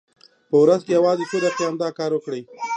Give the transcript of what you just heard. په ورځ کې یوازې څو دقیقې همدا کار وکړئ.